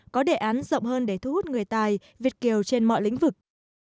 có đề án rộng hơn để thu hút người tài việt kiều trên mọi lĩnh vực